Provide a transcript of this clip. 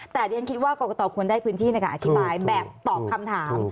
แต่ดิฉันคิดว่าก็ตอบควรได้พื้นที่นะคะอธิบายแบบตอบคำถาม